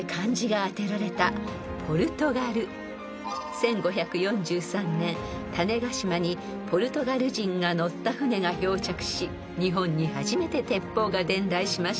［１５４３年種子島にポルトガル人が乗った船が漂着し日本に初めて鉄砲が伝来しました］